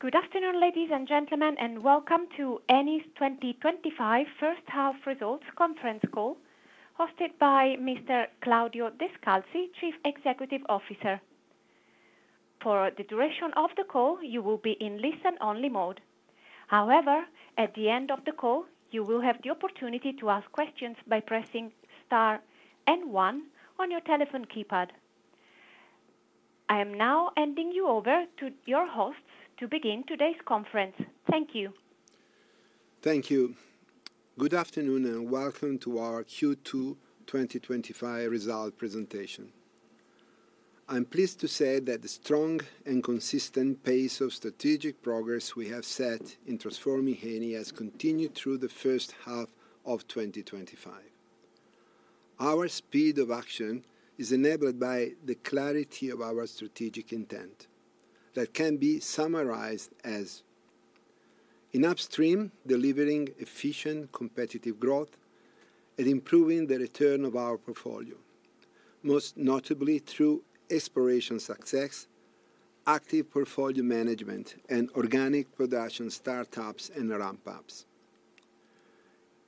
Good afternoon, ladies and gentlemen, and welcome to Eni's 2025 First Half Results Conference Call, hosted by Mr. Claudio Descalzi, Chief Executive Officer. For the duration of the call, you will be in listen-only mode. However, at the end of the call, you will have the opportunity to ask questions by pressing star and one on your telephone keypad. I am now handing you over to your hosts to begin today's conference. Thank you. Thank you. Good afternoon and welcome to our Q2 2025 result presentation. I'm pleased to say that the strong and consistent pace of strategic progress we have set in transforming Eni has continued through the first half of 2025. Our speed of action is enabled by the clarity of our strategic intent that can be summarized as. In Upstream delivering efficient competitive growth and improving the return of our portfolio, most notably through exploration success, active portfolio management, and organic production startups and ramp-ups.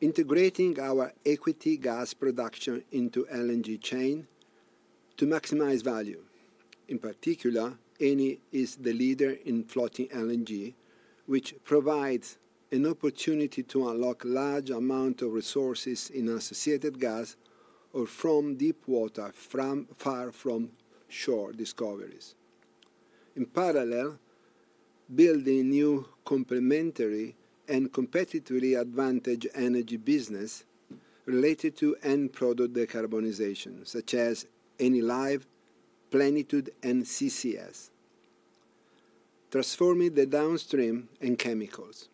Integrating our equity gas production into LNG chain to maximize value. In particular, Eni is the leader in Floating LNG, which provides an opportunity to unlock large amounts of resources in associated gas or from deep water far from shore discoveries. In parallel, building new complementary and competitively advantaged energy business related to end product decarbonization, such as EniLive, Plenitude, and CCUS. Transforming the downstream and chemicals,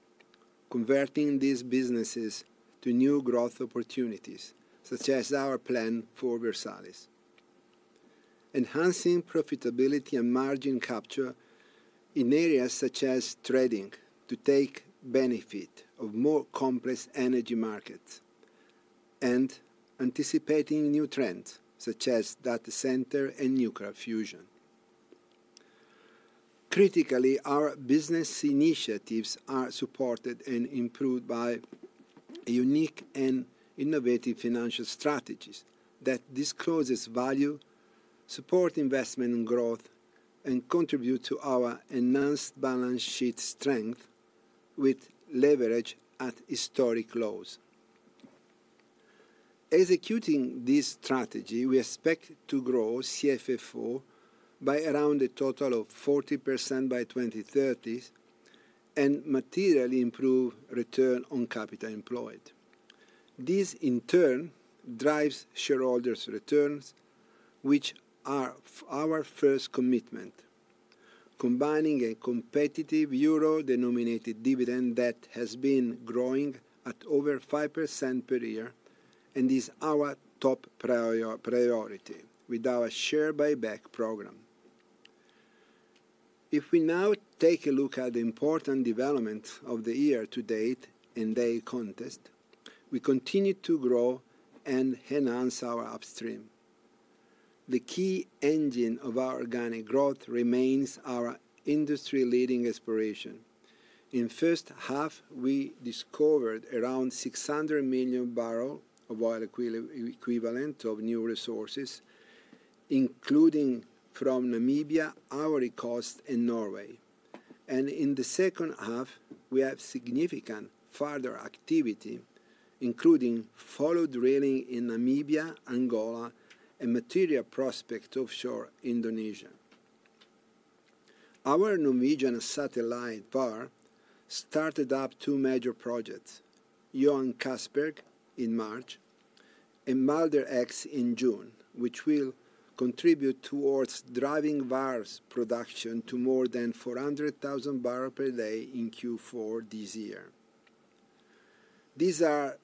converting these businesses to new growth opportunities, such as our plan for Versalis. Enhancing profitability and margin capture in areas such as trading to take benefit of more complex energy markets. Anticipating new trends such as data center and nuclear fusion. Critically, our business initiatives are supported and improved by unique and innovative financial strategies that disclose value, support investment and growth, and contribute to our enhanced balance sheet strength with leverage at historic lows. Executing this strategy, we expect to grow CFFO by around a total of 40% by 2030 and materially improve return on capital employed. This, in turn, drives shareholders' returns, which are our first commitment. Combining a competitive Euro-denominated dividend that has been growing at over 5% per year and is our top priority with our share buyback program. If we now take a look at the important developments of the year to date and the context, we continue to grow and enhance our upstream. The key engine of our organic growth remains our industry-leading exploration. In the first half, we discovered around 600 million barrels of oil equivalent of new resources, including from Namibia, Ivory Coast and Norway. In the second half, we have significant further activity, including follow drilling in Namibia, Angola, and material prospects offshore Indonesia. Our Norwegian satellite, Vår started up two major projects, Johan Castberg in March and Balder X in June, which will contribute towards driving Vår's production to more than 400,000 barrels per day in Q4 this year. These are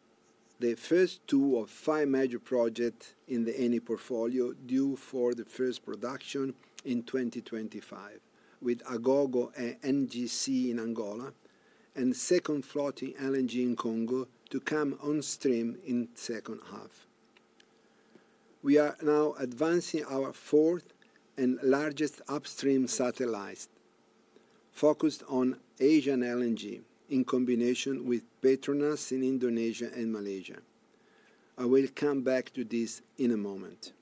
the first two of five major projects in the Eni portfolio due for the first production in 2025, with Agogo and NGC in Angola, and the second floating LNG in Congo to come on stream in the second half. We are now advancing our fourth and largest upstream satellite, focused on Asian LNG in combination with Petronas in Indonesia and Malaysia. I will come back to this in a moment.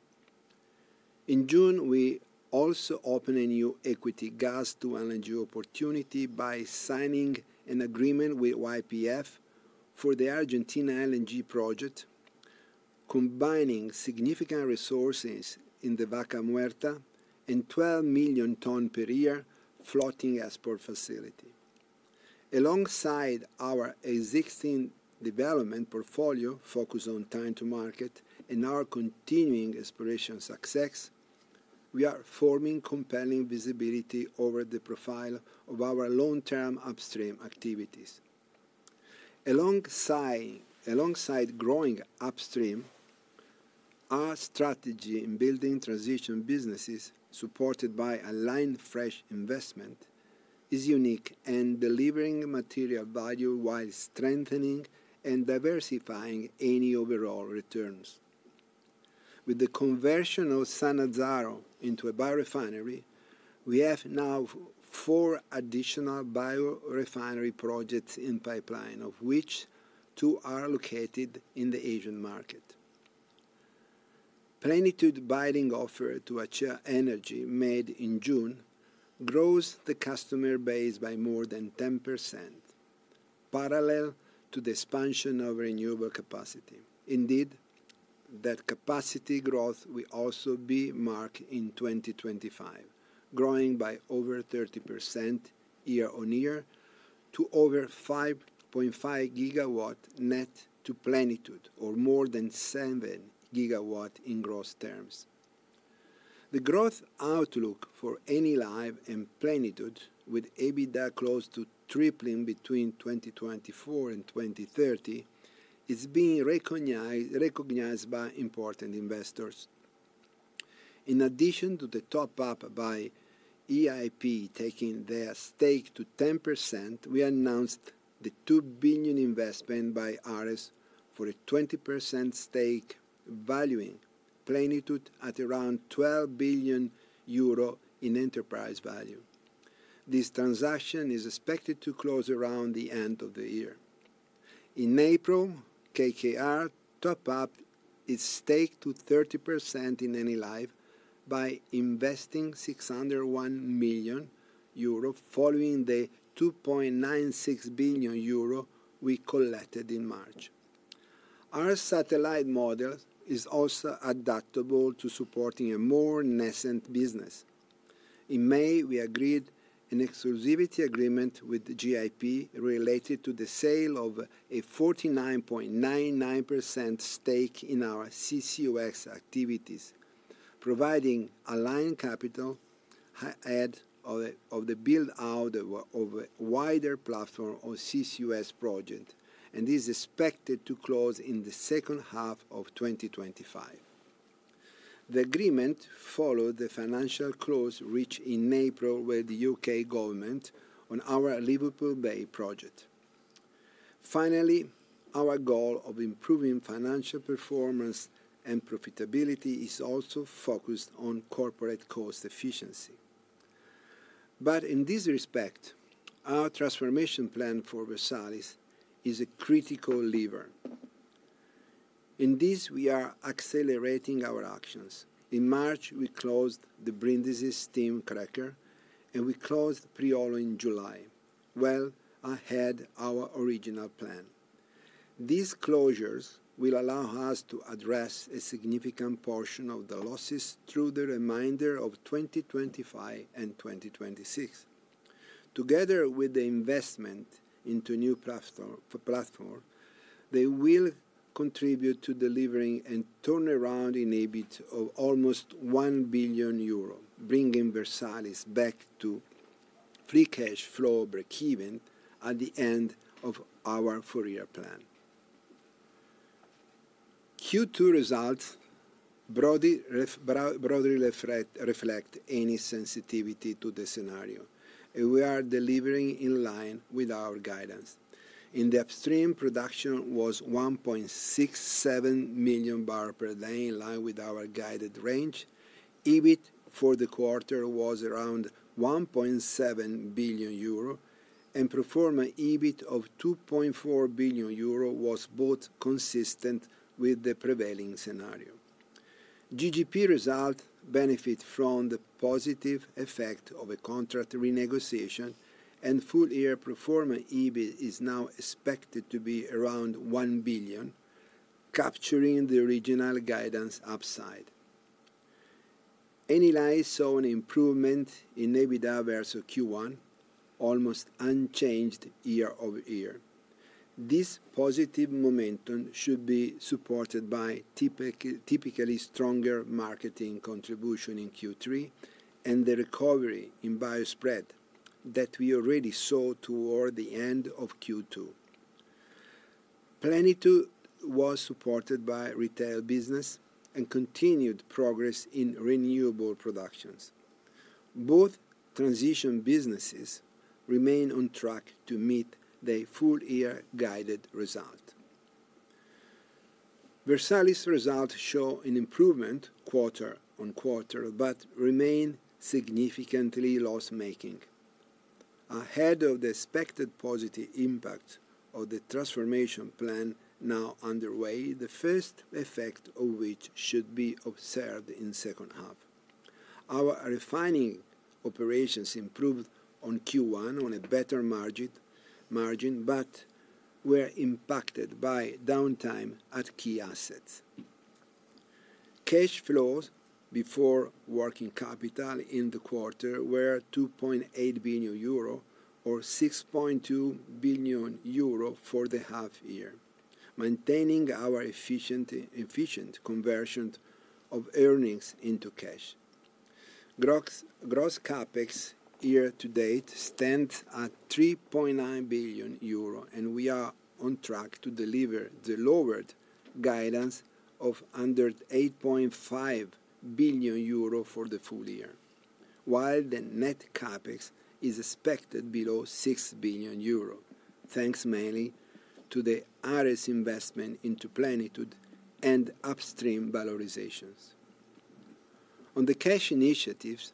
In June, we also opened a new equity gas-to-LNG opportunity by signing an agreement with YPF for the Argentina LNG project, combining significant resources in the Vaca Muerta and 12 million tonnes per year floating export facility. Alongside our existing development portfolio focused on time-to-market and our continuing exploration success, we are forming compelling visibility over the profile of our long-term Upstream activities. Alongside growing Upstream, our strategy in building transition businesses supported by aligned fresh investment is unique and delivering material value while strengthening and diversifying Eni overall returns. With the conversion of Sannazzaro into a Biorefinery, we have now four additional Biorefinery projects in pipeline, of which two are located in the Asian market. Plenitude Buying Offer to Acea Energia made in June grows the customer base by more than 10%. Parallel to the expansion of renewable capacity, indeed, that capacity growth will also be marked in 2025, growing by over 30% year-on-year to over 5.5 GW net to Plenitude, or more than 7 GW in gross terms. The growth outlook for EniLive and Plenitude, with EBITDA close to tripling between 2024 and 2030, is being recognized by important investors. In addition to the top-up by EIP taking their stake to 10%, we announced the 2 billion investment by Ares for a 20% stake valuing Plenitude at around 12 billion euro in enterprise value. This transaction is expected to close around the end of the year. In April, KKR topped up its stake to 30% in EniLive by investing 601 million euro, following the 2.96 billion euro we collected in March. Our satellite model is also adaptable to supporting a more nascent business. In May, we agreed an exclusivity agreement with GIP related to the sale of a 49.99% stake in our CCUS activities, providing aligned capital ahead of the build-out of a wider platform of CCUS project, and this is expected to close in the second half of 2025. The agreement followed the financial close reached in April with the U.K. government on our Liverpool Bay project. Finally, our goal of improving financial performance and profitability is also focused on corporate cost efficiency. In this respect, our transformation plan for Versalis is a critical lever. In this, we are accelerating our actions. In March, we closed the Brindisi Steam Cracker, and we closed Priolo in July, well ahead of our original plan. These closures will allow us to address a significant portion of the losses through the remainder of 2025 and 2026. Together with the investment into a new platform, they will contribute to delivering a turnaround in EBIT of almost 1 billion euro, bringing Versalis back to free cash flow break-even at the end of our four-year plan. Q2 results broadly reflect Eni's sensitivity to the scenario, and we are delivering in line with our guidance. In the upstream, production was 1.67 million barrels per day, in line with our guided range. EBIT for the quarter was around 1.7 billion euro, and performance EBIT of 2.4 billion euro was both consistent with the prevailing scenario. GGP result benefits from the positive effect of a contract renegotiation, and full-year performance EBIT is now expected to be around 1 billion, capturing the original guidance upside. EniLive saw an improvement in EBITDA versus Q1, almost unchanged year-over-year. This positive momentum should be supported by typically stronger marketing contribution in Q3 and the recovery in biospread that we already saw toward the end of Q2. Plenitude was supported by retail business and continued progress in renewable productions. Both transition businesses remain on track to meet their full-year guided result. Versalis results show an improvement quarter on quarter but remain significantly loss-making. Ahead of the expected positive impact of the transformation plan now underway, the first effect of which should be observed in the second half. Our refining operations improved on Q1 on a better margin, but were impacted by downtime at key assets. Cash flows before working capital in the quarter were 2.8 billion euro or 6.2 billion euro for the half-year, maintaining our efficient conversion of earnings into cash. Gross CapEx year-to-date stands at 3.9 billion euro, and we are on track to deliver the lowered guidance of under 8.5 billion euro for the full year, while the net CapEx is expected below 6 billion euro, thanks mainly to the Ares investment into Plenitude and upstream valorizations. On the cash initiatives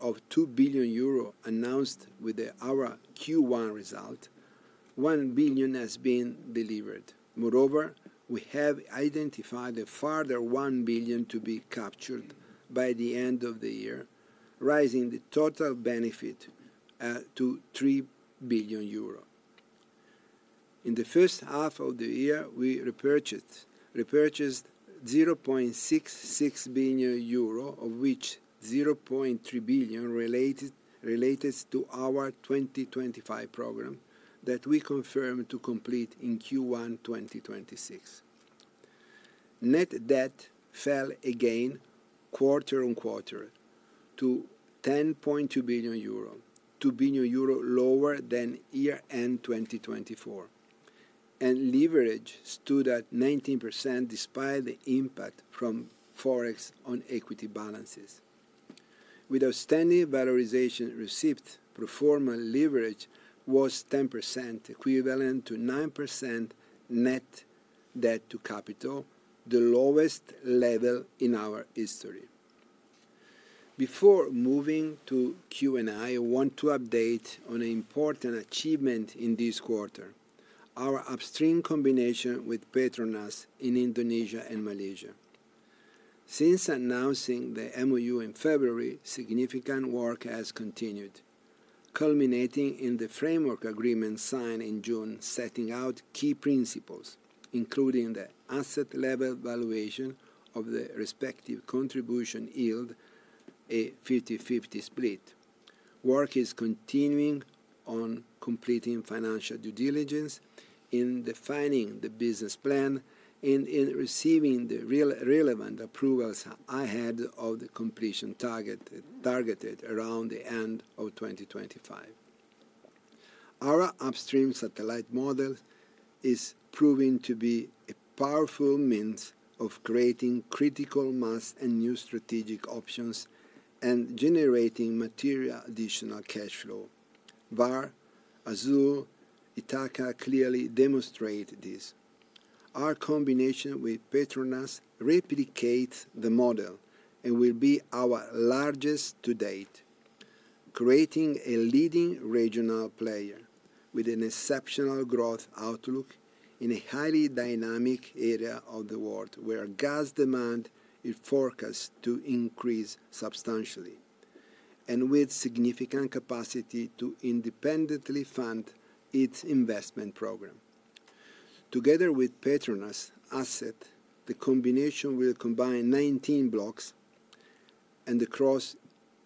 of 2 billion euro announced with our Q1 result, 1 billion has been delivered. Moreover, we have identified a further 1 billion to be captured by the end of the year, raising the total benefit to 3 billion euro. In the first half of the year, we repurchased 0.66 billion euro, of which 0.3 billion related to our 2025 program that we confirmed to complete in Q1 2026. Net debt fell again quarter on quarter to 10.2 billion euro, 2 billion euro lower than year-end 2024, and leverage stood at 19% despite the impact from Forex on equity balances. With outstanding valorization received, performance leverage was 10%, equivalent to 9% net debt to capital, the lowest level in our history. Before moving to Q&A, I want to update on an important achievement in this quarter: our Upstream combination with Petronas in Indonesia and Malaysia. Since announcing the MOU in February, significant work has continued, culminating in the framework agreement sfigned in June, setting out key principles, including the asset-level valuation of the respective contribution yield, a 50/50 split. Work is continuing on completing financial due diligence, in defining the business plan, and in receiving the relevant approvals ahead of the completion targeted around the end of 2025. Our Upstream satellite model is proving to be a powerful means of creating critical mass and new strategic options and generating material additional cash flow. Vår, Azule, and Ithaca clearly demonstrate this. Our combination with Petronas replicates the model and will be our largest to date. Creating a leading regional player with an exceptional growth outlook in a highly dynamic area of the world where gas demand is forecast to increase substantially, and with significant capacity to independently fund its investment program. Together with Petronas Asset, the combination will combine 19 blocks across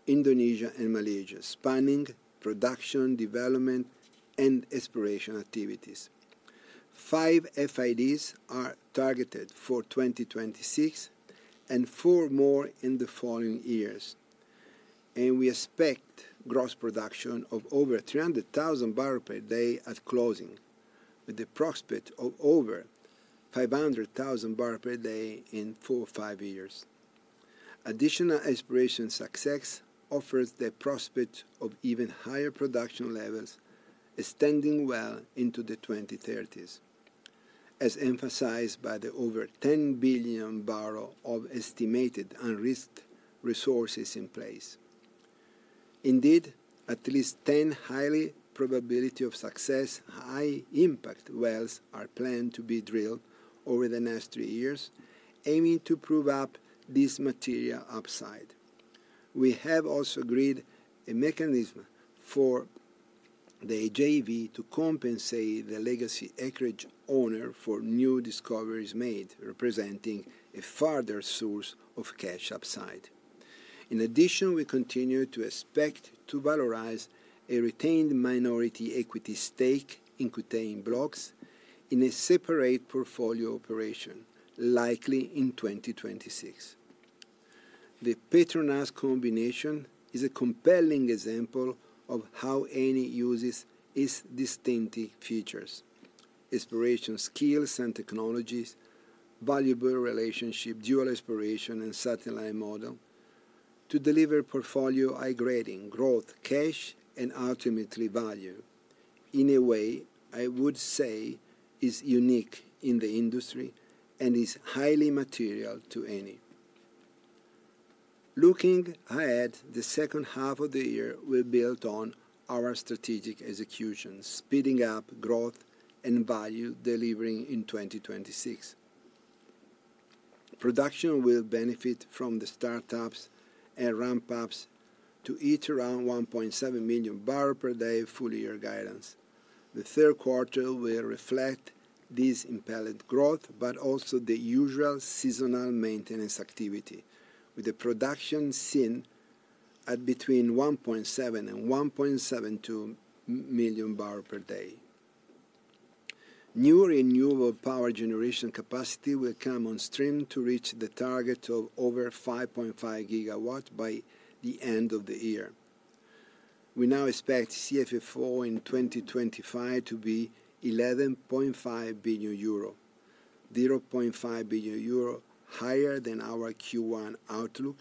Indonesia and Malaysia, spanning production, development, and exploration activities. Five FIDs are targeted for 2026 and four more in the following years. We expect gross production of over 300,000 barrels per day at closing, with the prospect of over 500,000 barrels per day in four or five years. Additional exploration success offers the prospect of even higher production levels, extending well into the 2030s. As emphasized by the over 10 billion of estimated unreached resources in place. Indeed, at least 10 highly probability of success, high-impact wells are planned to be drilled over the next three years, aiming to prove up this material upside. We have also agreed a mechanism for the JV to compensate the legacy acreage owner for new discoveries made, representing a further source of cash upside. In addition, we continue to expect to valorize a retained minority equity stake in containing blocks in a separate portfolio operation, likely in 2026. The Petronas combination is a compelling example of how Eni uses its distinctive features: exploration skills and technologies, valuable relationship, dual exploration, and satellite model. To deliver portfolio high-grading growth, cash, and ultimately value, in a way I would say is unique in the industry and is highly material to Eni. Looking ahead, the second half of the year will build on our strategic execution, speeding up growth and value delivery in 2026. Production will benefit from the startups and ramp-ups to hit around 1.7 million barrels per day full-year guidance. The third quarter will reflect this impelled growth, but also the usual seasonal maintenance activity, with the production seen at between 1.7-1.72 million barrels per day. New renewable power generation capacity will come on stream to reach the target of over 5.5 GW by the end of the year. We now expect CFFO in 2025 to be 11.5 billion euro, 0.5 billion euro higher than our Q1 outlook,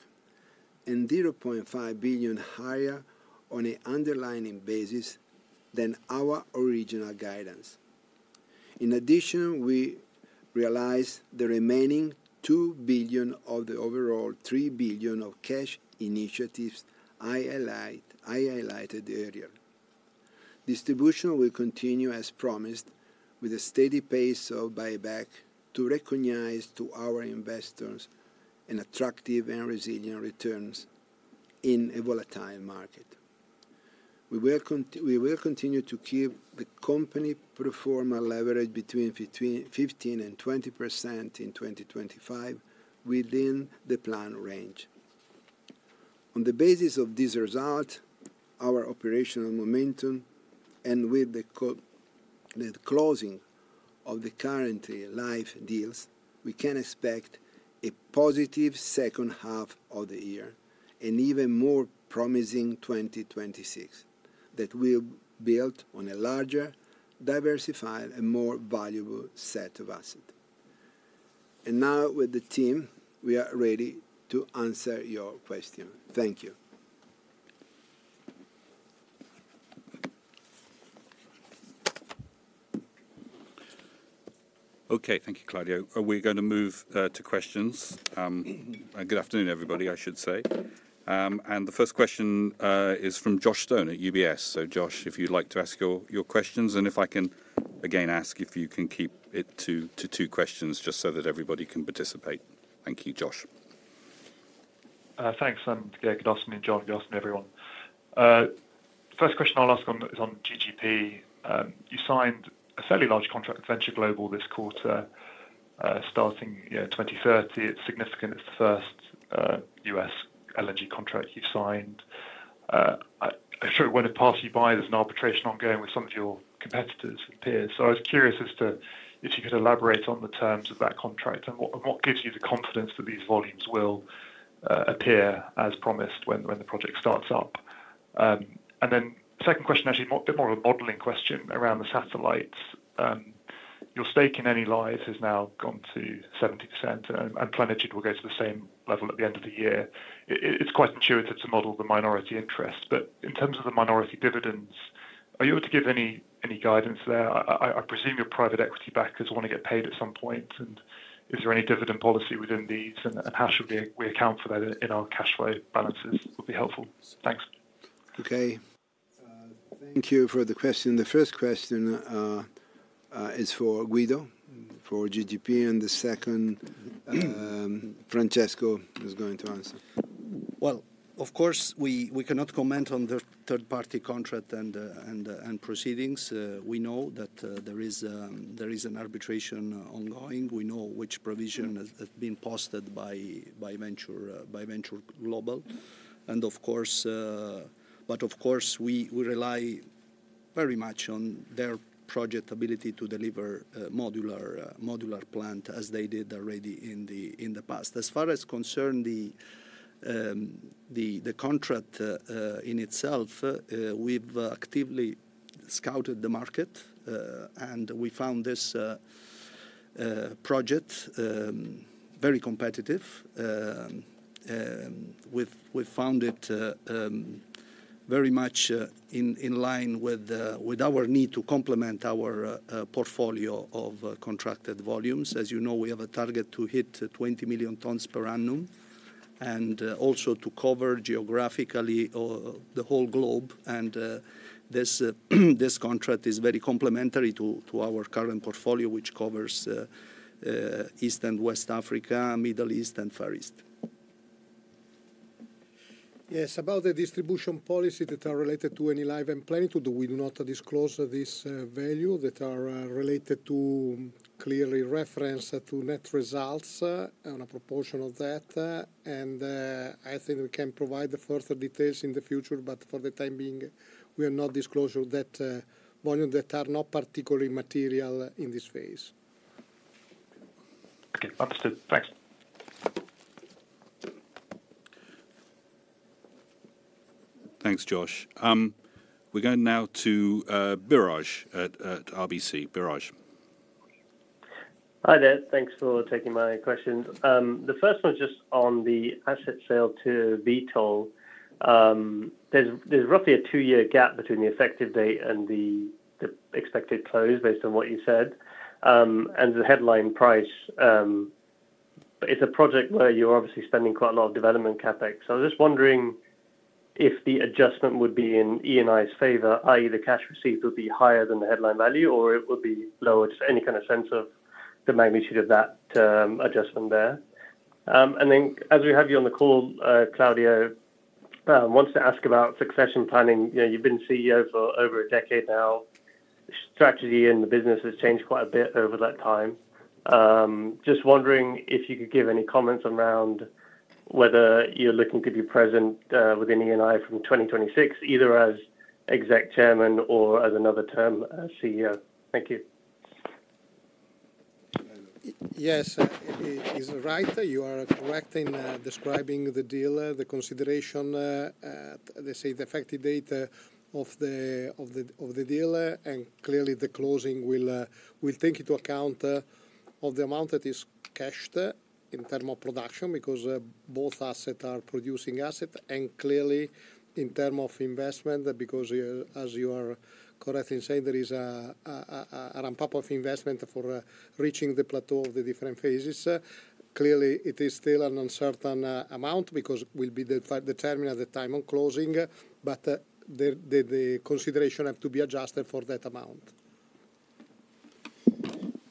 and 0.5 billion higher on an underlying basis than our original guidance. In addition, we realize the remaining 2 billion of the overall 3 billion of cash initiatives I highlighted earlier. Distribution will continue as promised, with a steady pace of buyback to recognize to our investors an attractive and resilient returns in a volatile market. We will continue to keep the company performance leverage between 15%-20% in 2025, within the planned range. On the basis of this result, our operational momentum, and with the closing of the current live deals, we can expect a positive second half of the year and an even more promising 2026 that will build on a larger, diversified, and more valuable set of assets. Now, with the team, we are ready to answer your questions. Thank you. Okay, thank you, Claudio. Are we going to move to questions? Good afternoon, everybody, I should say. The first question is from Josh Stone at UBS. Josh, if you'd like to ask your questions, and if I can again ask if you can keep it to two questions just so that everybody can participate. Thank you, Josh. Thanks, Gerd Kadossen and Josh Stone, everyone. The first question I'll ask is on GGP. You signed a fairly large contract with Venture Global this quarter. Starting 2030. It's significant. It's the first U.S. LNG contract you've signed. I'm sure it won't have passed you by. There's an arbitration ongoing with some of your competitors and peers. I was curious as to if you could elaborate on the terms of that contract and what gives you the confidence that these volumes will appear as promised when the project starts up. The second question, actually a bit more of a modeling question around the satellites. Your stake in EniLive has now gone to 70%, and Plenitude will go to the same level at the end of the year. It's quite intuitive to model the minority interest. In terms of the minority dividends, are you able to give any guidance there? I presume your private equity backers want to get paid at some point. Is there any dividend policy within these, and how should we account for that in our cash flow balances? That would be helpful. Thanks. Okay, thank you for the question. The first question is for Guido, for GGP, and the second Francesco is going to answer. Of course, we cannot comment on the third-party contract and proceedings. We know that there is an arbitration ongoing. We know which provision has been posted by Venture Global. Of course, we rely very much on their project ability to deliver a modular plant as they did already in the past. As far as concerns the contract in itself, we've actively scouted the market. We found this project very competitive. We found it very much in line with our need to complement our portfolio of contracted volumes. As you know, we have a target to hit 20 million tons per annum and also to cover geographically the whole globe. This contract is very complementary to our current portfolio, which covers East and West Africa, Middle East, and Far East. Yes, about the distribution policies that are related to EniLive and Plenitude, we do not disclose this value that are related to clearly reference to net results on a proportion of that. I think we can provide further details in the future, but for the time being, we are not disclosing that volume that are not particularly material in this phase. Okay, thanks. Thanks, Josh. We're going now to Biraj at RBC. Biraj. Hi there. Thanks for taking my questions. The first one is just on the asset sale to Vitol. There's roughly a two-year gap between the effective date and the expected close based on what you said. And the headline price. It's a project where you're obviously spending quite a lot of development CapEx. I was just wondering if the adjustment would be in Eni's favor, i.e., the cash received would be higher than the headline value, or it would be lower? Just any kind of sense of the magnitude of that adjustment there. As we have you on the call, Claudio, I want to ask about succession planning. You've been CEO for over a decade now. Strategy in the business has changed quite a bit over that time. Just wondering if you could give any comments around whether you're looking to be present within Eni from 2026, either as exec chairman or as another term as CEO. Thank you. Yes, it is right. You are correct in describing the deal, the consideration. They say the effective date of the deal, and clearly the closing will take into account the amount that is cashed in terms of production because both assets are producing assets and clearly in terms of investment, because as you are correct in saying, there is a ramp-up of investment for reaching the plateau of the different phases. Clearly, it is still an uncertain amount because it will be determined at the time of closing, but the consideration has to be adjusted for that amount.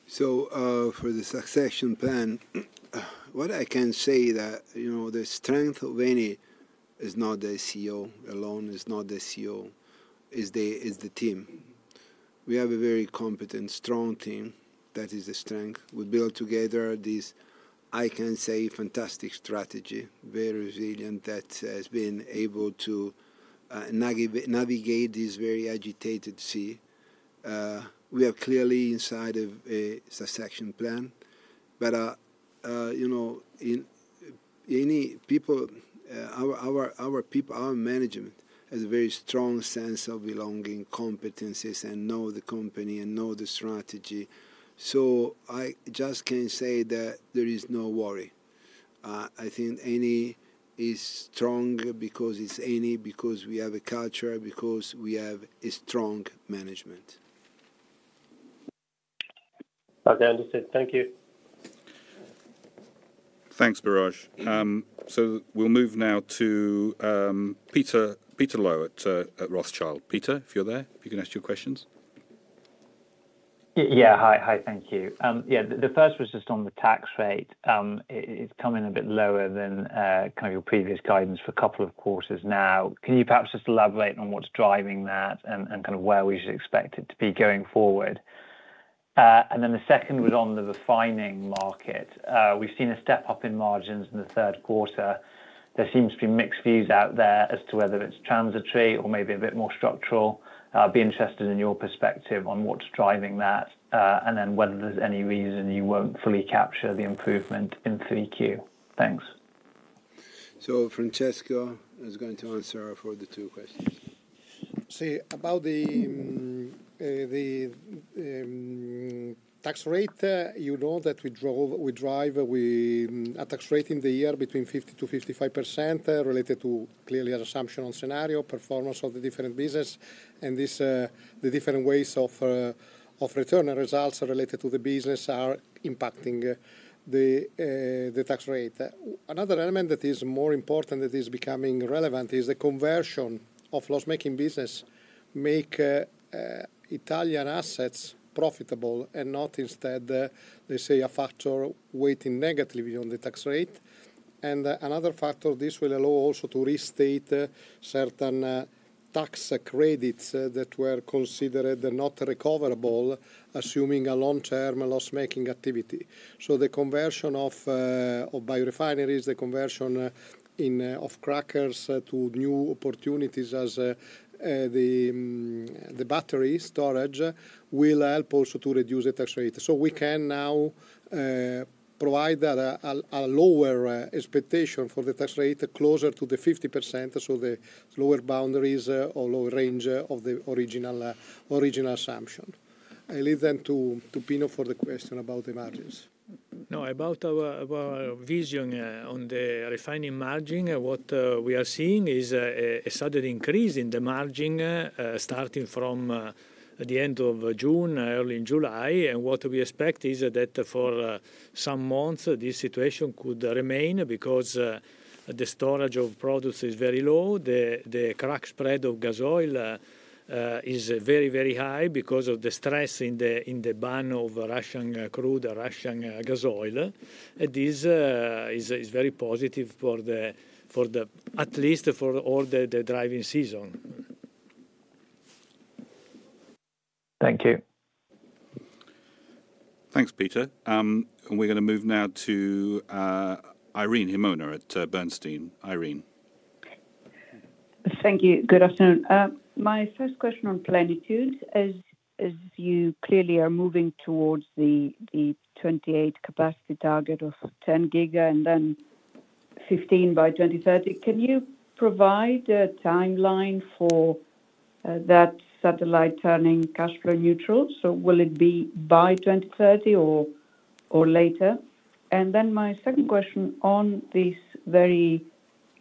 For the succession plan, what I can say is that the strength of Eni is not the CEO alone, it's not the CEO, it's the team. We have a very competent, strong team that is the strength. We built together this, I can say, fantastic strategy, very resilient, that has been able to navigate this very agitated sea. We are clearly inside of a succession plan. People, our management has a very strong sense of belonging, competencies, and knows the company and knows the strategy. I just can say that there is no worry. I think Eni is strong because it's Eni, because we have a culture, because we have strong management. Okay, understood. Thank you. Thanks, Biraj. We'll move now to Peter Low at Rothschild. Peter, if you're there, if you can ask your questions. Yeah, hi, thank you. Yeah, the first was just on the tax rate. It's coming a bit lower than kind of your previous guidance for a couple of quarters now. Can you perhaps just elaborate on what's driving that and kind of where we should expect it to be going forward? The second was on the refining market. We've seen a step up in margins in the third quarter. There seems to be mixed views out there as to whether it's transitory or maybe a bit more structural. I'd be interested in your perspective on what's driving that and then whether there's any reason you won't fully capture the improvement in 3Q. Thanks. So Francesco is going to answer for the two questions. See, about the tax rate, you know that we drive a tax rate in the year between 50%-55% related to clearly an assumption on scenario, performance of the different business, and the different ways of return and results related to the business are impacting the tax rate. Another element that is more important that is becoming relevant is the conversion of loss-making business. Make Italian assets profitable and not instead, they say, a factor weighting negatively on the tax rate. And another factor, this will allow also to restate certain tax credits that were considered not recoverable, assuming a long-term loss-making activity. So the conversion of biorefineries, the conversion of crackers to new opportunities as the battery storage will help also to reduce the tax rate. We can now provide a lower expectation for the tax rate closer to the 50%, so the lower boundaries or lower range of the original assumption. I'll leave that to Pino for the question about the margins. No, about our vision on the refining margin, what we are seeing is a sudden increase in the margin starting from the end of June, early in July. What we expect is that for some months, this situation could remain because the storage of products is very low, the crack spread of gas oil is very, very high because of the stress in the ban of Russian crude and Russian gas oil. This is very positive for at least for all the driving season. Thank you. Thanks, Peter. We're going to move now to Irene Himona at Bernstein. Irene. Thank you. Good afternoon. My first question on Plenitude is, as you clearly are moving towards the 2028 capacity target of 10 GW and then 15 by 2030, can you provide a timeline for that satellite turning cash flow neutral? Will it be by 2030 or later? And then my second question on this very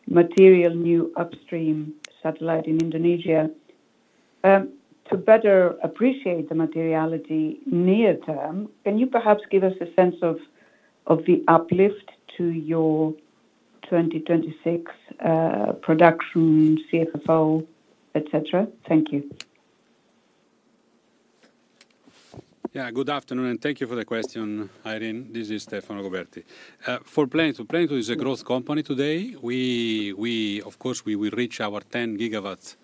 material new upstream satellite in Indonesia. To better appreciate the materiality near term, can you perhaps give us a sense of the uplift to your 2026 production, CFFO, etc.? Thank you. Yeah, good afternoon and thank you for the question, Irene. This is Stefano Goberti. For Plenitude, Plenitude is a growth company today. We, of course, we will reach our 10 GW,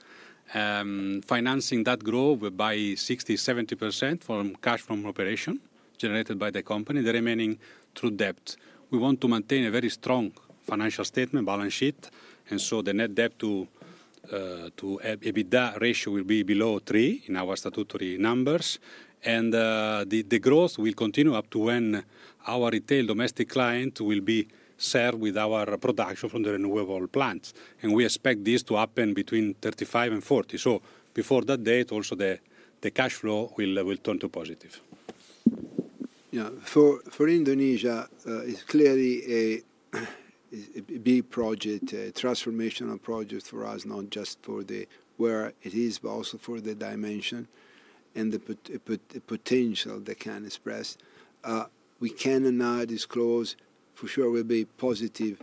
financing that growth by 60%-70% from cash from operation generated by the company, the remaining through debt. We want to maintain a very strong financial statement, balance sheet, and so the net debt to EBITDA ratio will be below 3 in our statutory numbers. The growth will continue up to when our retail domestic client will be served with our production from the renewable plants. We expect this to happen between 35 and 40. Before that date, also the cash flow will turn to positive. Yeah, for Indonesia, it's clearly a big project, a transformational project for us, not just for where it is, but also for the dimension and the potential they can express. We cannot disclose, for sure will be positive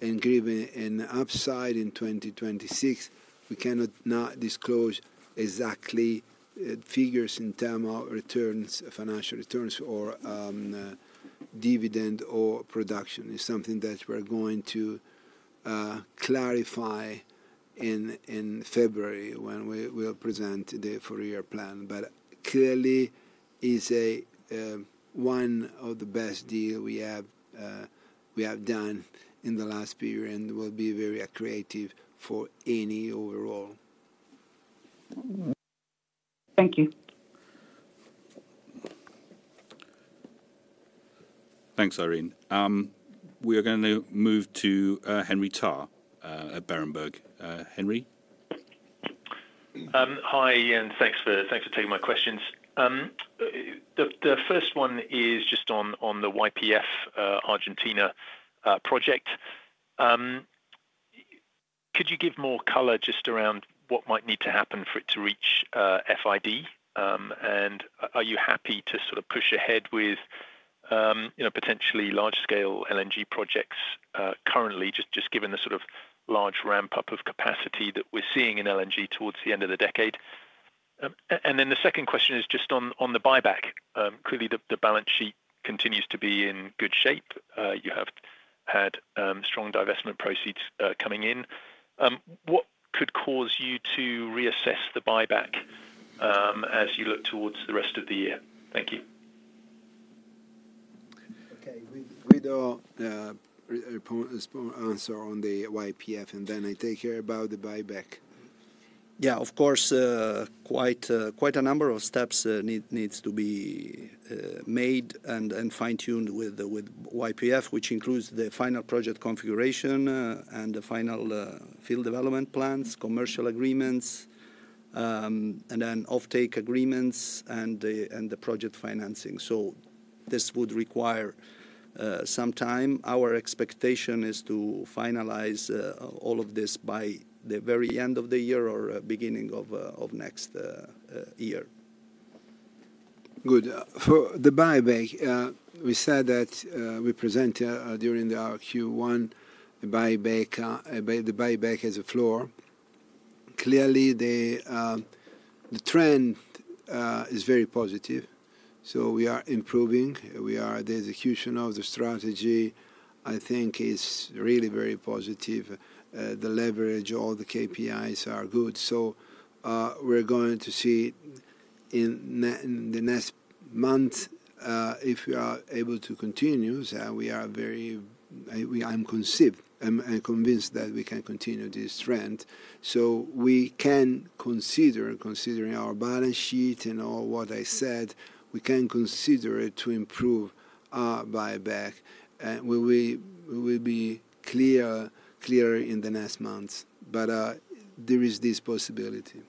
and giving an upside in 2026. We cannot disclose exactly figures in terms of returns, financial returns, or dividend or production. It's something that we're going to clarify in February when we will present the four-year plan. But clearly, it's one of the best deals we have done in the last few years and will be very accretive for Eni overall. Thank you. Thanks, Irene. We are going to move to Henry Tarr at Berenberg. Henry? Hi, Ian, thanks for taking my questions. The first one is just on the YPF Argentina project. Could you give more color just around what might need to happen for it to reach FID? Are you happy to sort of push ahead with potentially large-scale LNG projects currently, just given the sort of large ramp-up of capacity that we're seeing in LNG towards the end of the decade? The second question is just on the buyback. Clearly, the balance sheet continues to be in good shape. You have had strong divestment proceeds coming in. What could cause you to reassess the buyback as you look towards the rest of the year? Thank you. Okay, we do answer on the YPF and then I take care about the buyback. Yeah, of course, quite a number of steps need to be made and fine-tuned with YPF, which includes the final project configuration and the final field development plans, commercial agreements, and then offtake agreements and the project financing. This would require some time. Our expectation is to finalize all of this by the very end of the year or beginning of next year. Good. For the buyback, we said that we presented during the our Q1 the buyback as a floor. Clearly, the trend is very positive. We are improving. The execution of the strategy, I think, is really very positive. The leverage, all the KPIs are good. We are going to see in the next month if we are able to continue, we are very, I'm convinced and convinced that we can continue this trend. We can consider, considering our balance sheet and all what I said, we can consider to improve buyback. We will be clearer in the next months. There is this possibility.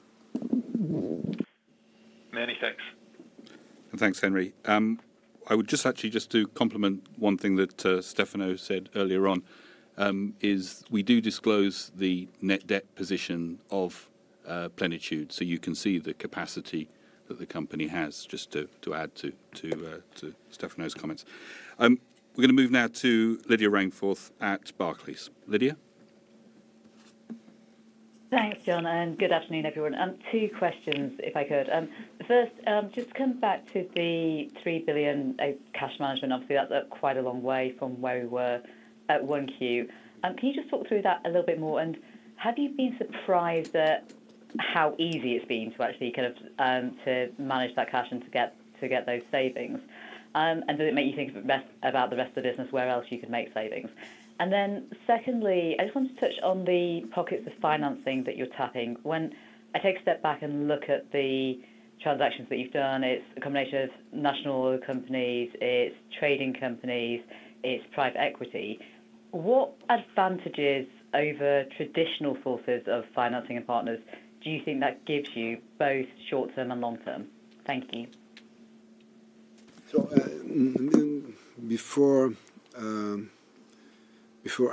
Many thanks. Thanks, Henry. I would just actually just do compliment one thing that Stefano said earlier on. We do disclose the net debt position of Plenitude, so you can see the capacity that the company has, just to add to Stefano's comments. We're going to move now to Lydia Rainforth at Barclays. Lydia? Thanks, John, and good afternoon, everyone. Two questions, if I could. First, just come back to the 3 billion cash management. Obviously, that's quite a long way from where we were at 1Q. Can you just talk through that a little bit more? Have you been surprised at how easy it's been to actually kind of manage that cash and to get those savings? Does it make you think about the rest of the business, where else you could make savings? I just want to touch on the pockets of financing that you're tapping. When I take a step back and look at the transactions that you've done, it's a combination of national companies, trading companies, private equity. What advantages over traditional sources of financing and partners do you think that gives you both short-term and long-term? Thank you. Before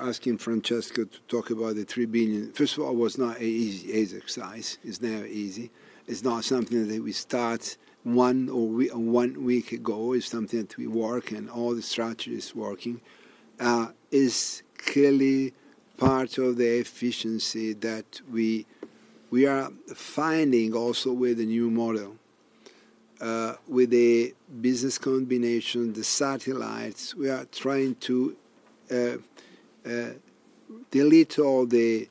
asking Francesco to talk about the 3 billion, first of all, it was not an easy exercise. It's not easy. It's not something that we start one week ago. It's something that we work and all the strategy is working. It's clearly part of the efficiency that we are finding also with the new model, with the business combination, the satellites. We are trying to delete all the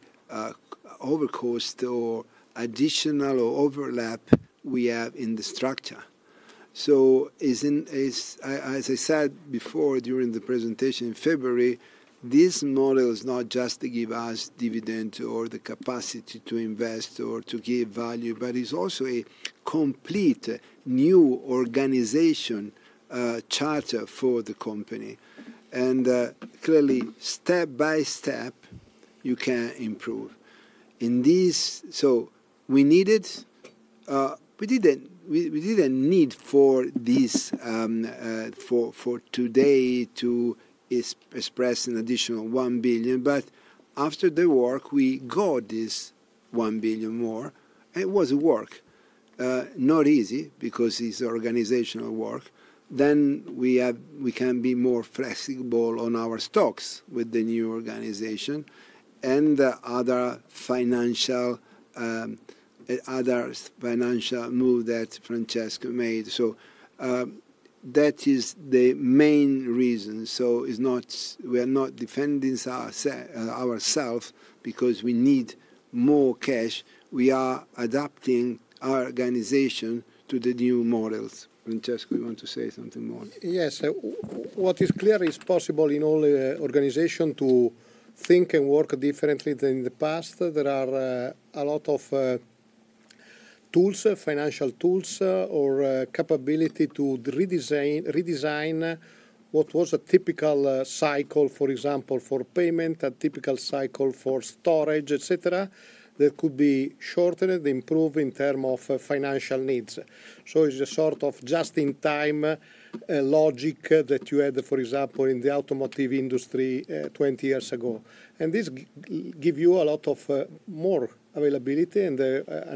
overcost or additional overlap we have in the structure. As I said before during the presentation in February, this model is not just to give us dividend or the capacity to invest or to give value, but it's also a complete new organization charter for the company. Clearly, step by step, you can improve. We didn't need for this, for today, to express an additional 1 billion, but after the work, we got this 1 billion more. It was work, not easy because it's organizational work. Then we can be more flexible on our stocks with the new organization and the other financial move that Francesco made. That is the main reason. We are not defending ourselves because we need more cash. We are adapting our organization to the new models. Francesco, you want to say something more? Yes. What is clear is possible in all organizations to think and work differently than in the past. There are a lot of tools, financial tools, or capability to redesign what was a typical cycle, for example, for payment, a typical cycle for storage, etc., that could be shortened, improved in terms of financial needs. It's a sort of just-in-time logic that you had, for example, in the automotive industry 20 years ago. This gives you a lot more availability and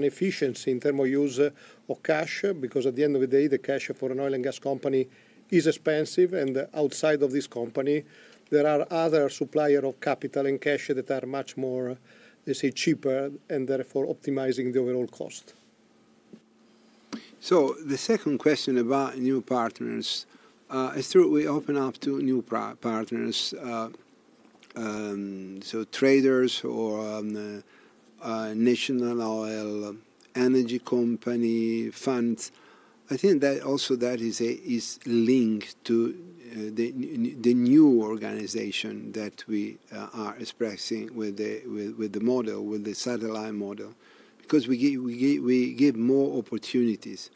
efficiency in terms of use of cash because at the end of the day, the cash for an oil and gas company is expensive. Outside of this company, there are other suppliers of capital and cash that are much more, they say, cheaper, and therefore optimizing the overall cost. The second question about new partners. We open up to new partners. So traders or. National energy company funds. I think that also that is linked to the new organization that we are expressing with the model, with the satellite model, because we give more opportunities.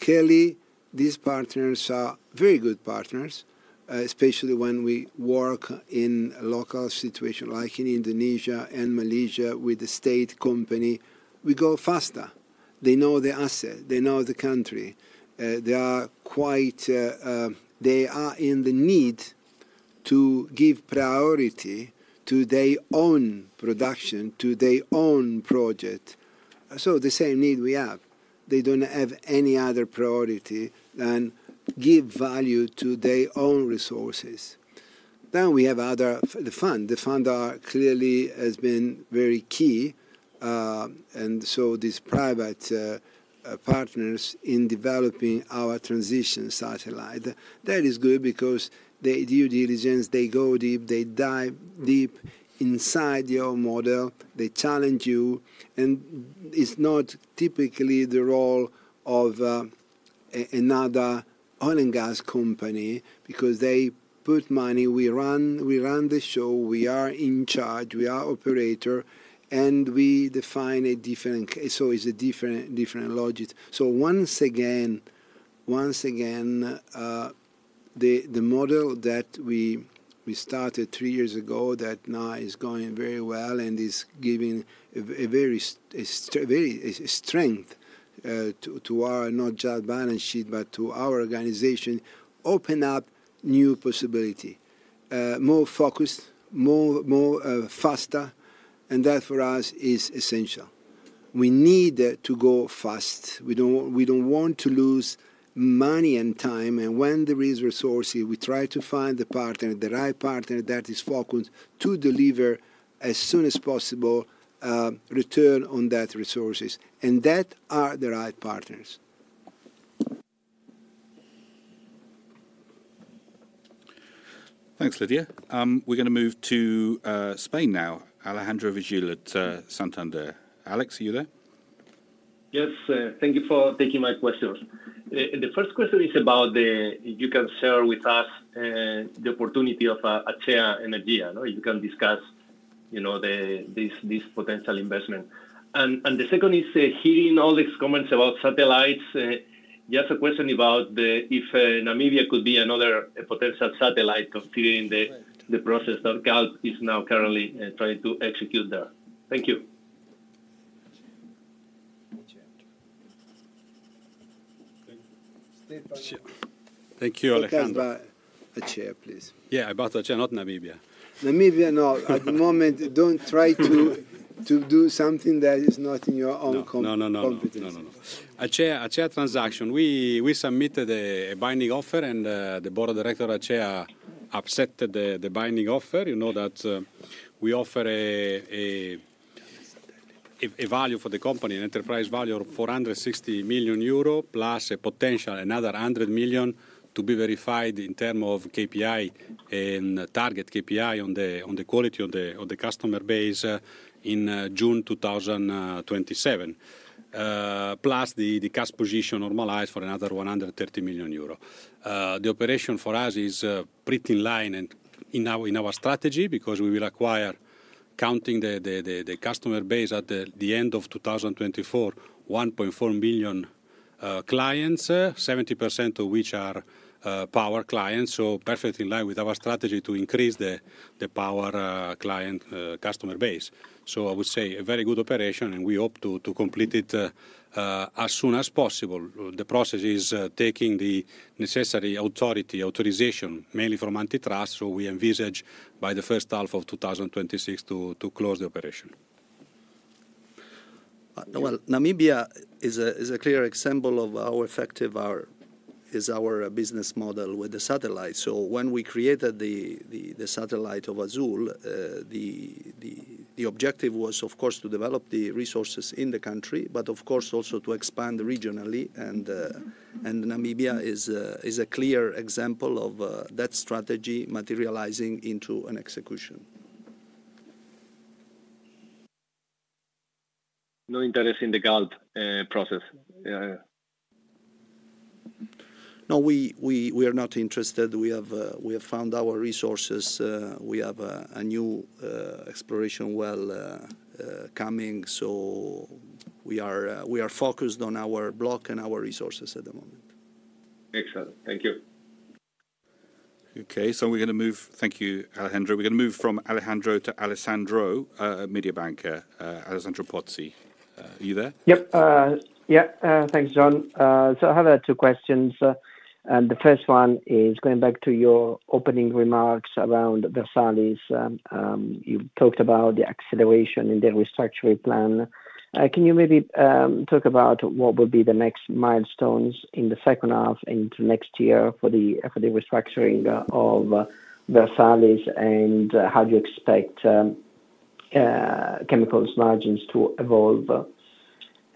Clearly, these partners are very good partners, especially when we work in a local situation like in Indonesia and Malaysia with the state company. We go faster. They know the asset. They know the country. They are quite, they are in the need to give priority to their own production, to their own project. The same need we have. They do not have any other priority than give value to their own resources. We have other funds. The funds are clearly, has been very key. These private partners in developing our transition satellite, that is good because they do diligence. They go deep. They dive deep inside your model. They challenge you. It is not typically the role of another oil and gas company because they put money. We run the show. We are in charge. We are operator. We define a different case. It is a different logic. Once again, the model that we started three years ago that now is going very well and is giving a very strength to our not just balance sheet, but to our organization, open up new possibility. More focused, more faster. That for us is essential. We need to go fast. We do not want to lose money and time. When there is resources, we try to find the partner, the right partner that is focused to deliver as soon as possible return on that resources. That are the right partners. Thanks, Lydia. We are going to move to Spain now. Alejandro Vigil at Santander. Alex, are you there? Yes. Thank you for taking my questions. The first question is about the, you can share with us the opportunity of Acea Energia. You can discuss this potential investment. The second is hearing all these comments about satellites. Just a question about if Namibia could be another potential satellite considering the process that Galp is now currently trying to execute there. Thank you. Thank you, Alejandro. You can buy Acea, please. Yeah, I bought Acea, not Namibia. Namibia, no. At the moment, do not try to do something that is not in your own competence. No, no, no, no, no. Acea transaction. We submitted a binding offer, and the Board of Directors at Acea accepted the binding offer. You know that we offer a value for the company, an enterprise value of 460 million euro, plus a potential another 100 million to be verified in terms of KPI and target KPI on the quality of the customer base in June 2027. Plus the cash position normalized for another 130 million euro. The operation for us is pretty in line in our strategy because we will acquire, counting the customer base at the end of 2024, 1.4 million clients, 70% of which are power clients. Perfectly in line with our strategy to increase the power customer base. I would say a very good operation, and we hope to complete it as soon as possible. The process is taking the necessary authority, authorization, mainly from Antitrust. We envisage by the first half of 2026 to close the operation. Namibia is a clear example of how effective our business model with the satellite. When we created the satellite of Azule, the objective was, of course, to develop the resources in the country, but also to expand regionally. Namibia is a clear example of that strategy materializing into an execution. No interest in the Galp process. No, we are not interested. We have found our resources. We have a new exploration well coming. We are focused on our block and our resources at the moment. Excellent. Thank you. Okay. We are going to move, thank you, Alejandro. We are going to move from Alejandro to Alessandro Mediobanca, Alessandro Pozzi. Are you there? Yep. Yeah. Thanks, John. I have two questions. The first one is going back to your opening remarks around Versalis. You talked about the acceleration in the restructuring plan. Can you maybe talk about what would be the next milestones in the second half and into next year for the restructuring of Versalis and how do you expect chemicals margins to evolve?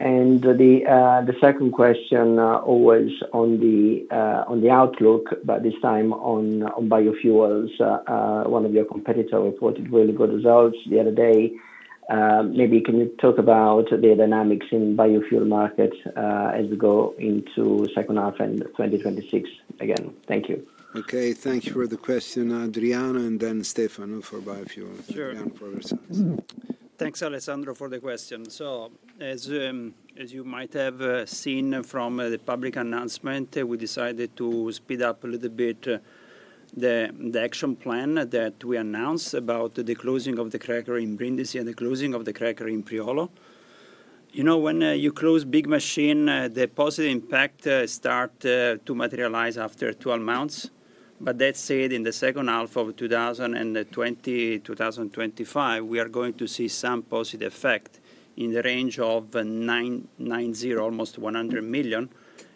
The second question always on the outlook, but this time on biofuels. One of your competitors reported really good results the other day. Maybe can you talk about the dynamics in biofuel market as we go into the second half and 2026 again? Thank you. Okay. Thanks for the question, Ad, and then Stefano for biofuel and for Versalis. Thanks, Alessandro, for the question. As you might have seen from the public announcement, we decided to speed up a little bit the action plan that we announced about the closing of the cracker in Brindisi and the closing of the cracker in Priolo. When you close big machine, the positive impact starts to materialize after 12 months. That said, in the second half of 2025, we are going to see some positive effect in the range of 90 million, almost 100 million.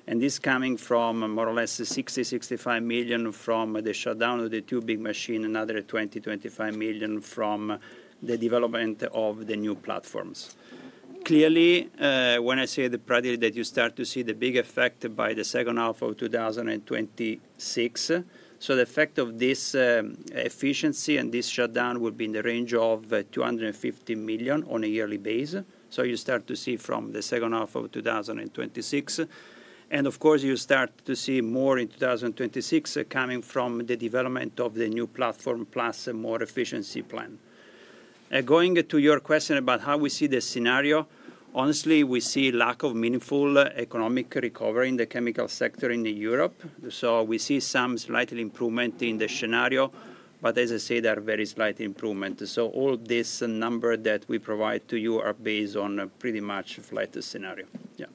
This is coming from more or less 60 million-65 million from the shutdown of the two big machines and another 20 million-25 million from the development of the new platforms. Clearly, when I say the project, you start to see the big effect by the second half of 2026, so the effect of this efficiency and this shutdown will be in the range of 250 million on a yearly base. You start to see from the second half of 2026. You start to see more in 2026 coming from the development of the new platform plus a more efficiency plan. Going to your question about how we see the scenario, honestly, we see a lack of meaningful economic recovery in the chemical sector in Europe. We see some slight improvement in the scenario, but as I said, there are very slight improvements. All these numbers that we provide to you are based on pretty much a flat scenario. Yeah.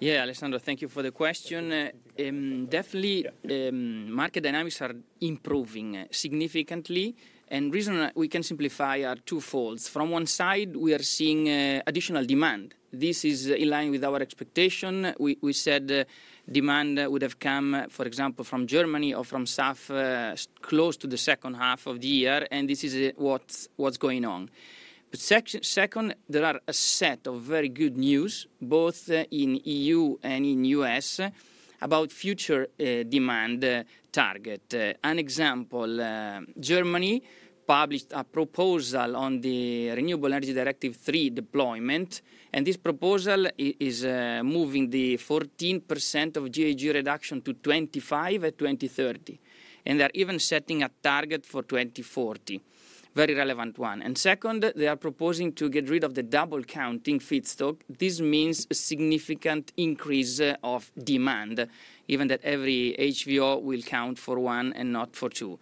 Yeah, Alessandro, thank you for the question. Definitely, market dynamics are improving significantly. The reason we can simplify are twofold. From one side, we are seeing additional demand. This is in line with our expectation. We said demand would have come, for example, from Germany or from South close to the second half of the year. This is what's going on. Second, there are a set of very good news, both in the EU and in the U.S., about future demand targets. An example: Germany published a proposal on the Renewable Energy Directive 3 deployment. This proposal is moving the 14% of GHG reduction to 25% at 2030. They are even setting a target for 2040, a very relevant one. Second, they are proposing to get rid of the double counting feedstock. This means a significant increase of demand, given that every HVO will count for one and not for two.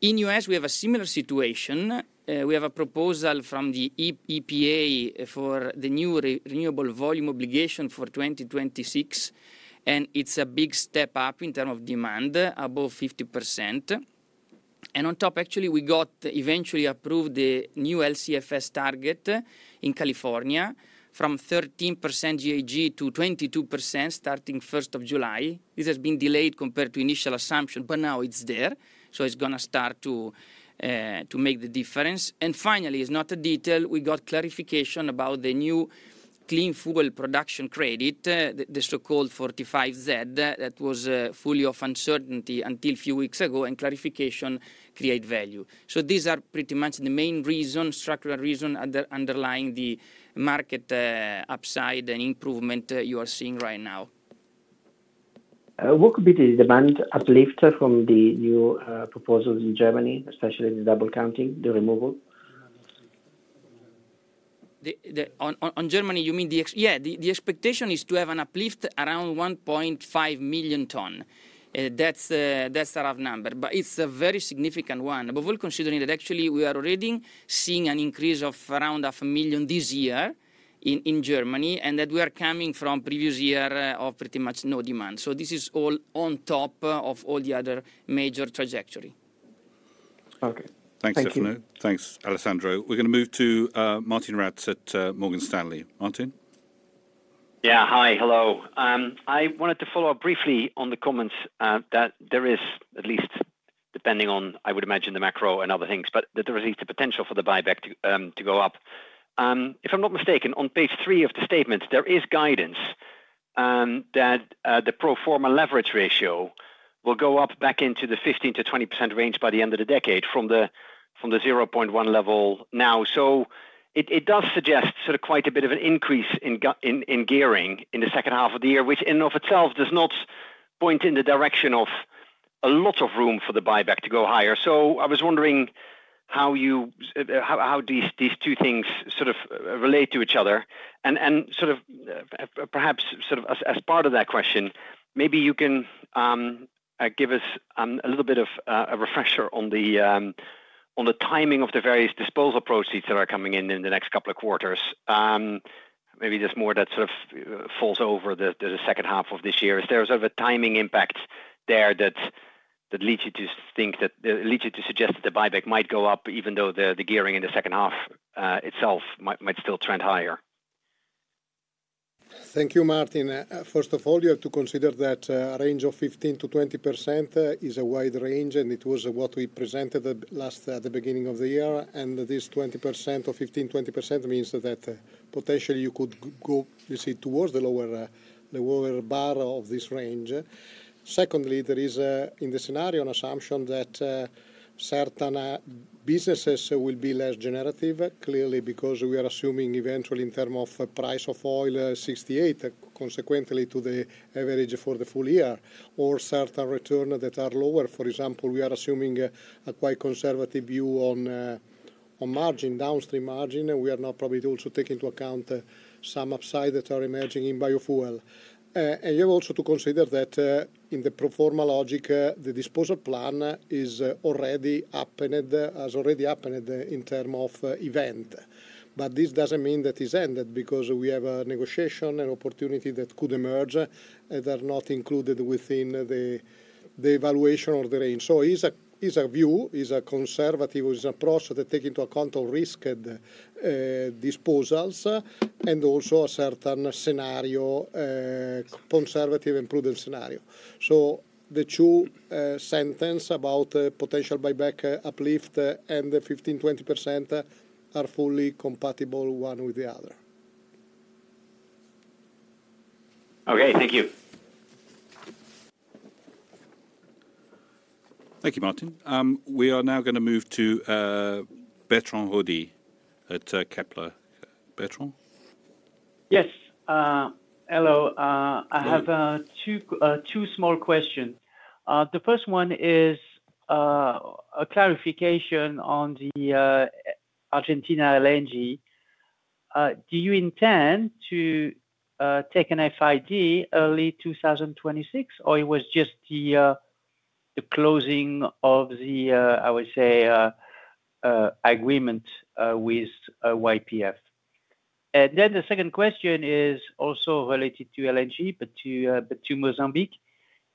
In the US, we have a similar situation. We have a proposal from the EPA for the new renewable volume obligation for 2026, and it is a big step up in terms of demand, above 50%. On top, actually, we got eventually approved the new LCFS target in California from 13% GHG to 22% starting 1st of July. This has been delayed compared to initial assumption, but now it is there. It is going to start to make the difference. Finally, it is not a detail. We got clarification about the new clean fuel production credit, the so-called 45Z, that was fully off uncertainty until a few weeks ago, and clarification creates value. These are pretty much the main reasons, structural reasons underlying the market upside and improvement you are seeing right now. What could be the demand uplift from the new proposals in Germany, especially the double counting, the removal? On Germany, you mean the, yeah, the expectation is to have an uplift around 1.5 million tonnes. That is a rough number, but it is a very significant one, but we will consider it. Actually, we are already seeing an increase of around 500,000 this year in Germany, and that we are coming from the previous year of pretty much no demand. This is all on top of all the other major trajectory. Okay. Thanks, Alessandro. We are going to move to Martijn Rats at Morgan Stanley. Martijn. Yeah, hi, hello. I wanted to follow up briefly on the comments that there is, at least depending on, I would imagine, the macro and other things, but that there is a potential for the buyback to go up. If I'm not mistaken, on page three of the statement, there is guidance that the pro forma leverage ratio will go up back into the 15%-20% range by the end of the decade from the 0.1% level now. It does suggest quite a bit of an increase in gearing in the second half of the year, which in and of itself does not point in the direction of a lot of room for the buyback to go higher. I was wondering how these two things relate to each other. Perhaps as part of that question, maybe you can give us a little bit of a refresher on the timing of the various disposal proceeds that are coming in in the next couple of quarters. Maybe there's more that falls over the second half of this year. Is there a timing impact there that leads you to think, that leads you to suggest, that the buyback might go up, even though the gearing in the second half itself might still trend higher? Thank you, Martijn. First of all, you have to consider that a range of 15%-20% is a wide range, and it was what we presented at the beginning of the year. This 15%-20% means that potentially you could go, let's say, towards the lower bar of this range. Secondly, there is, in the scenario, an assumption that certain businesses will be less generative, clearly because we are assuming eventually, in terms of price of oil, 68 consequently to the average for the full year, or certain returns that are lower. For example, we are assuming a quite conservative view on margin, downstream margin. We are not probably also taking into account some upside that are emerging in biofuel. You have also to consider that in the pro forma logic, the disposal plan has already happened in terms of event. This doesn't mean that it's ended because we have a negotiation and opportunity that could emerge that are not included within the evaluation or the range. It's a view, it's a conservative approach that takes into account all risk and disposals, and also a certain scenario, conservative and prudent scenario. The two sentences about potential buyback uplift and the 15%-20% are fully compatible one with the other. Okay, thank you. Thank you, Martijn. We are now going to move to Bertrand Hodee at Kepler. Bertrand? Yes. Hello. I have two small questions. The first one is a clarification on the Argentina LNG. Do you intend to take an FID early 2026, or it was just the closing of the, I would say, agreement with YPF? The second question is also related to LNG, but to Mozambique.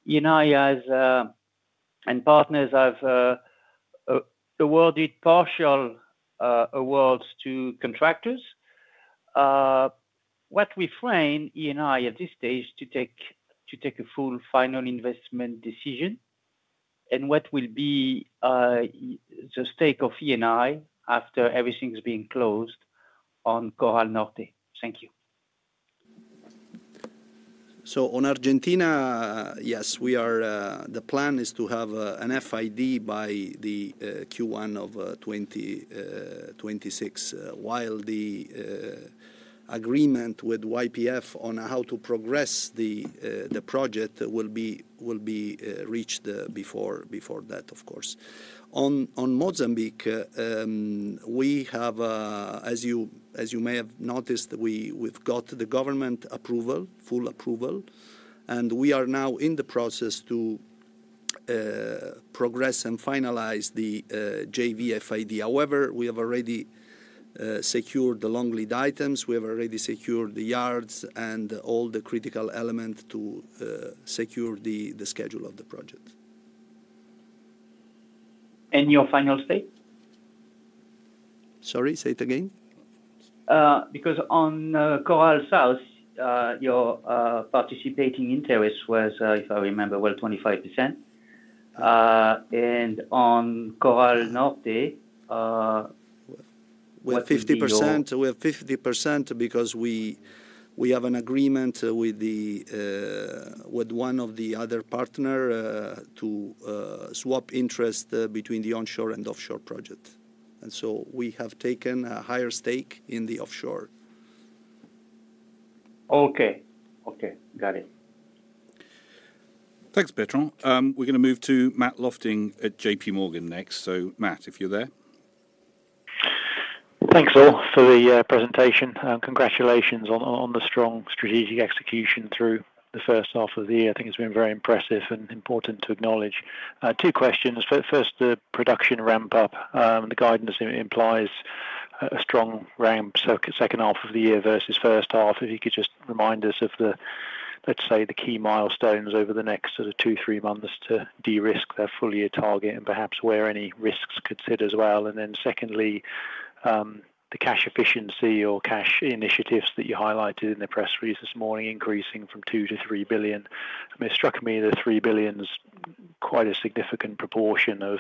Eni has and partners have awarded partial awards to contractors. What will frame Eni at this stage to take a full final investment decision? What will be the stake of Eni after everything's been closed on Coral Norte? Thank you. On Argentina, yes, the plan is to have an FID by the first quarter of 2026, while the agreement with YPF on how to progress the project will be reached before that, of course. On Mozambique, we have, as you may have noticed, we've got the government approval, full approval, and we are now in the process to progress and finalize the JV FID. However, we have already secured the long lead items, we have already secured the yards, and all the critical elements to secure the schedule of the project. Your final stake? Sorry, say it again. Because on Coral South, your participating interest was, if I remember well, 25%. On Coral Norte. We have 50%. We have 50% because we have an agreement with one of the other partners to swap interest between the onshore and offshore project, and so we have taken a higher stake in the offshore. Okay. Got it. Thanks, Bertrand. We're going to move to Matt Lofting at JPMorgan next. Matt, if you're there. Thanks, Clau, for the presentation. Congratulations on the strong strategic execution through the first half of the year. I think it's been very impressive and important to acknowledge. Two questions. First, the production ramp-up. The guidance implies a strong ramp second half of the year versus first half. If you could just remind us of the, let's say, the key milestones over the next sort of two, three months to de-risk the full-year target and perhaps where any risks could sit as well. Secondly, the cash efficiency or cash initiatives that you highlighted in the press release this morning, increasing from 2 billion to 3 billion. It struck me that 3 billion is quite a significant proportion of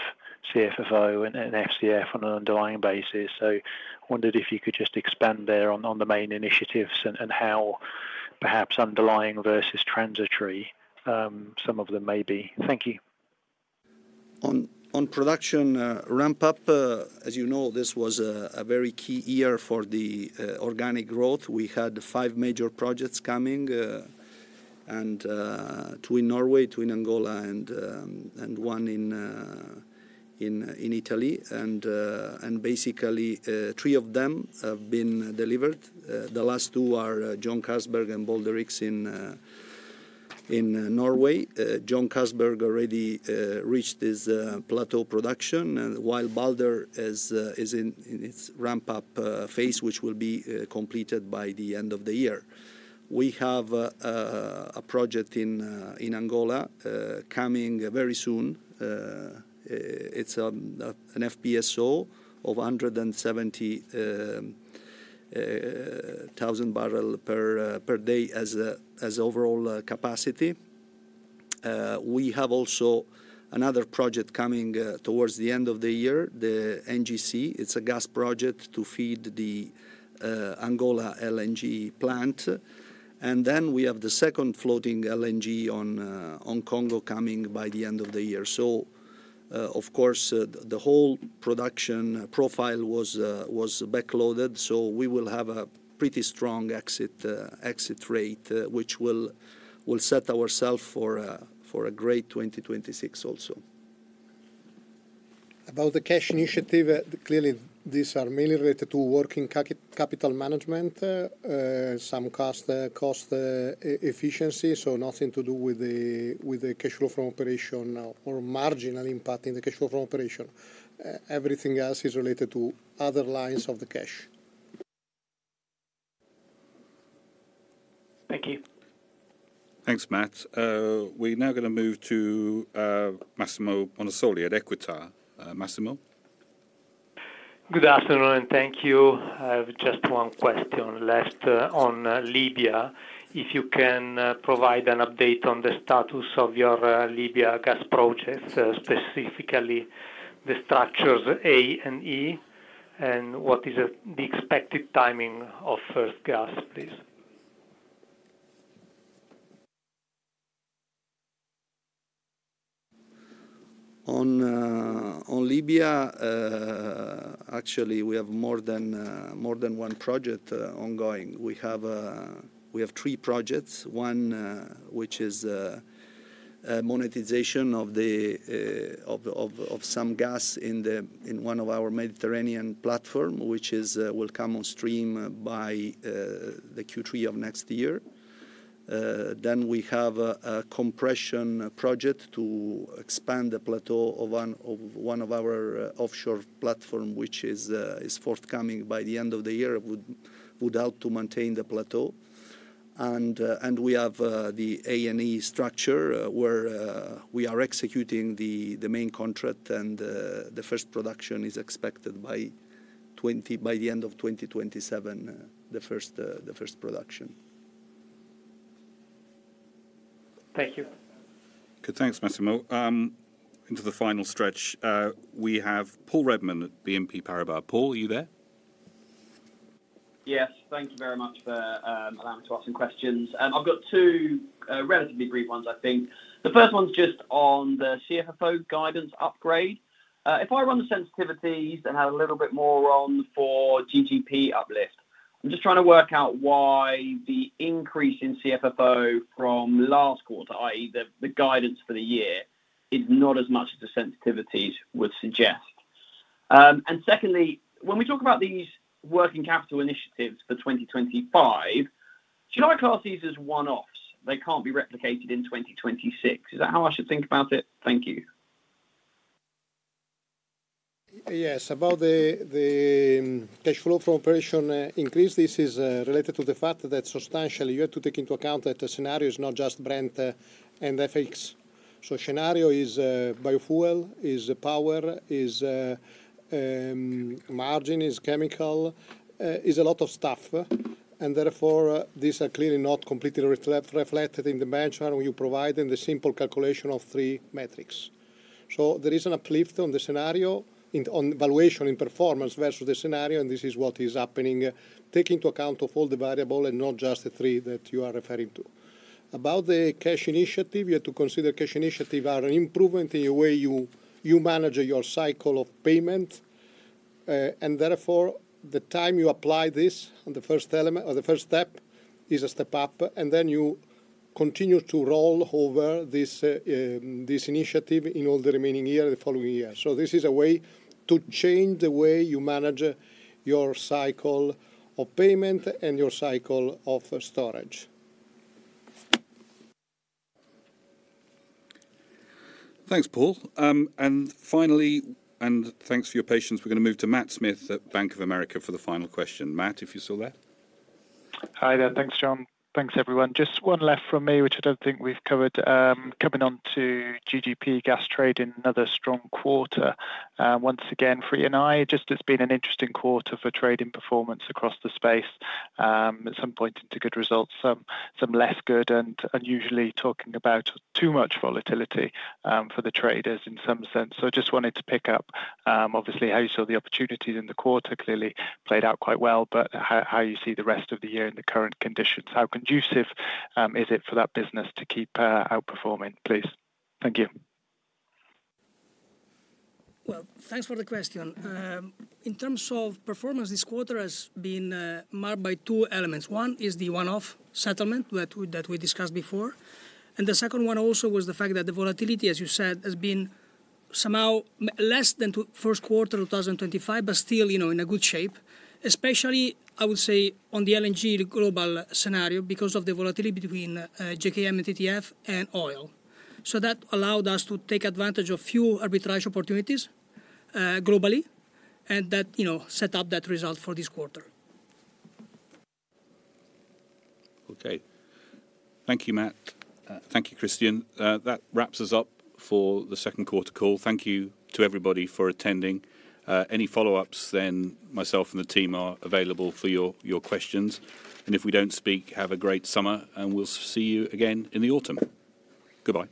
CFFO and FCF on an underlying basis. I wondered if you could just expand there on the main initiatives and how perhaps underlying versus transitory some of them may be. Thank you. On production ramp-up, as you know, this was a very key year for the organic growth. We had five major projects coming: twin Norway, twin Angola, and one in Italy. Basically, three of them have been delivered. The last two are Johan Castberg and Balder X in Norway. Johan Castberg already reached its plateau production, while Balder is in its ramp-up phase, which will be completed by the end of the year. We have a project in Angola coming very soon. It's an FPSO of 170,000 barrels per day as overall capacity. We have also another project coming towards the end of the year, the NGC. It's a gas project to feed the Angola LNG plant. We have the second floating LNG on Congo coming by the end of the year. The whole production profile was backloaded. We will have a pretty strong exit rate, which will. Set ourselves for a great 2026 also. About the cash initiative, clearly, these are mainly related to working capital management. Some cost efficiency, so nothing to do with the cash flow from operation or marginal impact in the cash flow from operation. Everything else is related to other lines of the cash. Thank you. Thanks, Matt. We're now going to move to Massimo Bonisoli at Equita. Massimo? Good afternoon. Thank you. I have just one question left on Libya. If you can provide an update on the status of your Libya gas project, specifically the structures A and E, and what is the expected timing of first gas, please? On Libya, actually, we have more than one project ongoing. We have three projects, one which is monetization of some gas in one of our Mediterranean platforms, which will come on stream by the Q3 of next year. Then we have a compression project to expand the plateau of one of our offshore platforms, which is forthcoming by the end of the year, would help to maintain the plateau. And we have the A and E structure where we are executing the main contract, and the first production is expected by the end of 2027, the first production. Thank you. Okay, thanks, Massimo. Into the final stretch, we have Paul Redman at BNP Paribas. Paul, are you there? Yes. Thank you very much for allowing me to ask some questions. I've got two relatively brief ones, I think. The first one's just on the CFFO guidance upgrade. If I run the sensitivities and add a little bit more on for GGP uplift, I'm just trying to work out why the increase in CFFO from last quarter, i.e., the guidance for the year, is not as much as the sensitivities would suggest. And secondly, when we talk about these working capital initiatives for 2025. Shall I class these as one-offs? They can't be replicated in 2026. Is that how I should think about it? Thank you. Yes. About the cash flow from operation increase, this is related to the fact that substantially you have to take into account that the scenario is not just Brent and FX. Scenario is biofuel, is power, is margin, is chemical, is a lot of stuff. Therefore, these are clearly not completely reflected in the benchmark you provide and the simple calculation of three metrics. There is an uplift on the scenario, on valuation and performance versus the scenario, and this is what is happening, taking into account all the variables and not just the three that you are referring to. About the cash initiative, you have to consider cash initiative as an improvement in the way you manage your cycle of payment. Therefore, the time you apply this on the first step is a step up, and then you continue to roll over this initiative in all the remaining year and the following year. This is a way to change the way you manage your cycle of payment and your cycle of storage. Thanks, Paul. Finally, and thanks for your patience, we are going to move to Matt Smith at Bank of America for the final question. Matt, if you are still there. Hi there. Thanks, John. Thanks, everyone. Just one left from me, which I do not think we have covered, coming on to GGP gas trade in another strong quarter. Once again, for Eni, just it has been an interesting quarter for trading performance across the space. At some point into good results, some less good, and usually talking about too much volatility for the traders in some sense. I just wanted to pick up, obviously, how you saw the opportunities in the quarter clearly played out quite well, but how you see the rest of the year in the current conditions. How conducive is it for that business to keep outperforming, please? Thank you. Thank you for the question. In terms of performance, this quarter has been marked by two elements. One is the one-off settlement that we discussed before. The second one also was the fact that the volatility, as you said, has been somehow less than the first quarter of 2025, but still in a good shape, especially, I would say, on the LNG global scenario because of the volatility between JKM and TTF and oil. That allowed us to take advantage of few arbitrage opportunities globally, and that set up that result for this quarter. Okay. Thank you, Matt. Thank you, Christian. That wraps us up for the second quarter call. Thank you to everybody for attending. Any follow-ups, then myself and the team are available for your questions. If we do not speak, have a great summer, and we will see you again in the autumn. Goodbye.